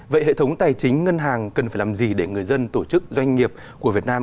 vậy hệ thống tài chính ngân hàng cần phải làm gì để người dân tổ chức doanh nghiệp của việt nam